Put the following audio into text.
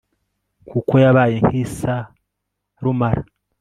kuko yabaye nk'isarumara